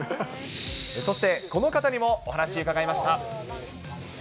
そして、この方にもお話伺いました。